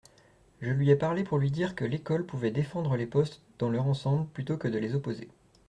Je lui ai parlé pour lui dire que l’école pouvait défendre les postes dans leur ensemble plutôt que de les opposer.